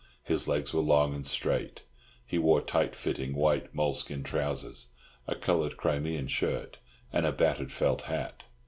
His legs were long and straight; he wore tight fitting white moleskin trousers, a coloured Crimean shirt, and a battered felt hat.